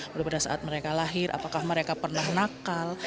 lalu pada saat mereka lahir apakah mereka pernah nakal